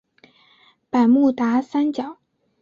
百慕达三角。